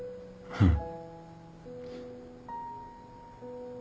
うん？